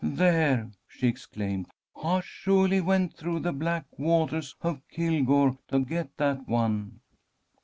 "There!" she exclaimed. "I suahly went through the black watahs of Kilgore to get that one."